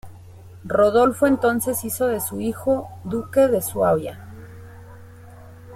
Rodolfo entonces hizo de su hijo duque de Suabia.